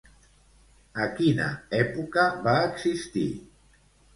A quina època va existir?